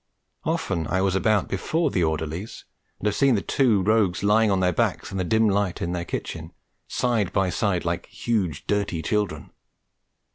Often I was about before the orderlies, and have seen the two rogues lying on their backs in the dim light of their kitchen, side by side like huge dirty children.